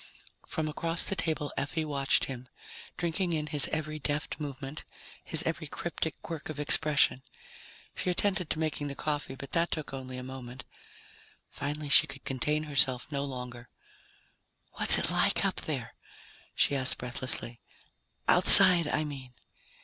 From across the table Effie watched him, drinking in his every deft movement, his every cryptic quirk of expression. She attended to making the coffee, but that took only a moment. Finally she could contain herself no longer. "What's it like up there?" she asked breathlessly. "Outside, I mean."